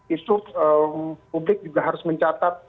itu publik juga harus mencatat